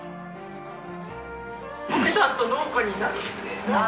奥さんと農家になるって。